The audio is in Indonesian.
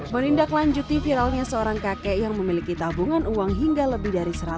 menindaklanjuti viralnya seorang kakek yang memiliki tabungan uang hingga lebih dari seratus